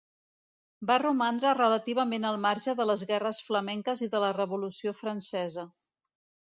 Va romandre relativament al marge de les guerres flamenques i de la Revolució Francesa.